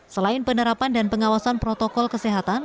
selain penerapan dan pengawasan protokol kesehatan